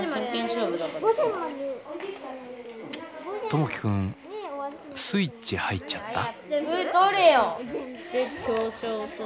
友輝くんスイッチ入っちゃった？